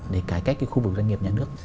để cải cách cái khu vực doanh nghiệp nhà nước